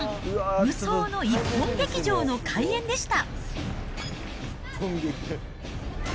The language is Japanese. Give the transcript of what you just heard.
無双の一本劇場の開演でした。